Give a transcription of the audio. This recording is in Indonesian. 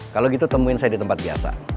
kalau gitu temuin saya di tempat biasa